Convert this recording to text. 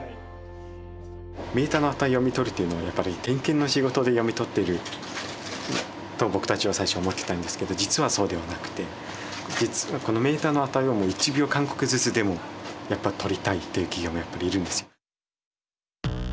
メータの値を読み取るというのはやっぱり点検の仕事で読み取ってると僕たちは最初思ってたんですけど実はそうではなくて実はこのメータの値は１秒間隔ずつでもやっぱ取りたいっていう企業もやっぱりいるんですよ。